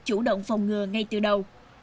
chủ động phòng ngừa ngay từ đầu